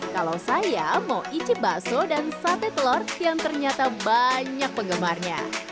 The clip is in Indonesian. kalau saya mau icip bakso dan sate telur yang ternyata banyak penggemarnya